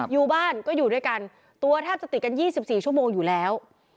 อยู่บ้านก็อยู่ด้วยกันตัวแทบจะติดกัน๒๔ชั่วโมงอยู่แล้ว